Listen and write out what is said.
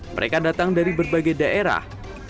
mereka datang dari berbagai daerah